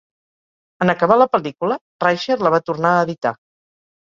En acabar la pel·lícula, Rysher la va tornar a editar.